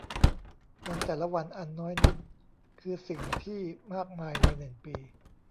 วันแต่ละวันอันน้อยนิดคือสิ่งที่มากมายในหนึ่งปี